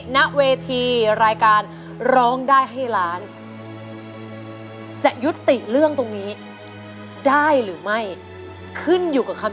ณเวทีรายการร้องได้ให้ล้านจะยุติเรื่องตรงนี้ได้หรือไม่ขึ้นอยู่กับคำ